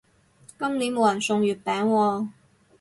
今年冇人送月餅喎